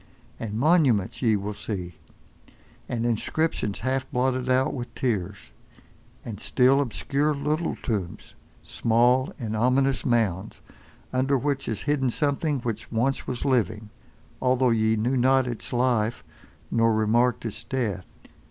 And monuments ye will see, and inscriptions half blotted out with tears; and still, obscure, little tombs; small and ominous mounds, under which is hidden something which once was living, although ye knew not its life, nor remarked its death.